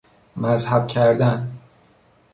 مذهب کردن